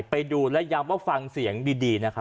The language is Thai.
ไปดูและย้ำว่าฟังเสียงดีนะครับ